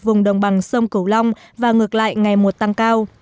vùng đồng bằng sông cửu long và ngược lại ngày một tăng cao